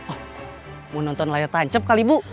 oh mau nonton layar tancap kali bu